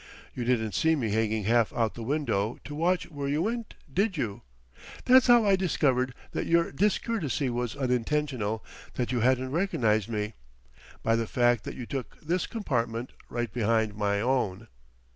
You didn't see me hanging half out the window, to watch where you went, did you? That's how I discovered that your discourtesy was unintentional, that you hadn't recognized me, by the fact that you took this compartment, right behind my own."